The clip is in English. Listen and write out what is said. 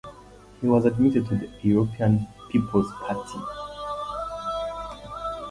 He was admitted to the European People's Party.